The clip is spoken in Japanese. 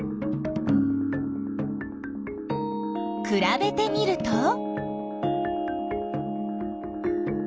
くらべてみると？